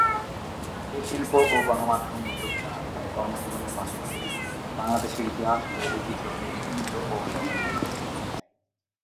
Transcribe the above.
এ শিল্প ও গণমাধ্যম উদ্যোক্তা তার কর্মজীবনের পাশাপাশি বাংলাদেশের ইতিহাস ও ঐতিহ্যকে উন্নীত ও সংরক্ষণের বিষয়ে উৎসাহী।